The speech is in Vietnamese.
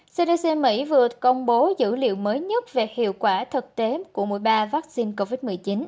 cdc mỹ vừa công bố dữ liệu mới nhất về hiệu quả thực tế của mỗi ba vaccine covid một mươi chín